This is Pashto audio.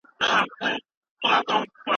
خپل لارښود په پوره دقت وټاکه.